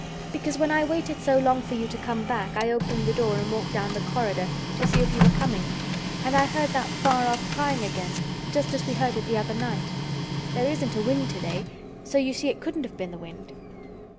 "Because when I waited so long for you to come back I opened the door and walked down the corridor to see if you were coming. And I heard that far off crying again, just as we heard it the other night. There isn't a wind today, so you see it couldn't have been the wind."